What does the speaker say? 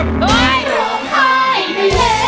ร้องให้ได้เร็ว